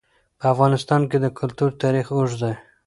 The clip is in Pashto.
په افغانستان کې د کلتور تاریخ اوږد دی.